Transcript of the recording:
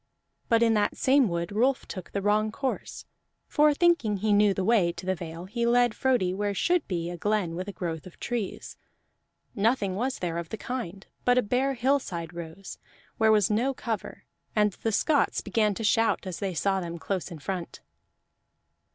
But in that same wood Rolf took the wrong course; for thinking he knew the way to the Vale he led Frodi where should be a glen with a growth of trees. Nothing was there of the kind, but a bare hillside rose, where was no cover, and the Scots began to shout as they saw them close in front.